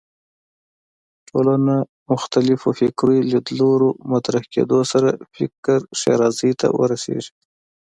ټولنه مختلفو فکري لیدلوریو مطرح کېدو سره فکر ښېرازۍ ته ورسېږي